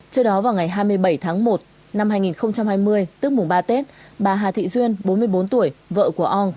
trước đó vào ngày hai mươi bảy tháng một năm hai nghìn hai mươi tức mùng ba tết bà hà thị duyên bốn mươi bốn tuổi vợ của ong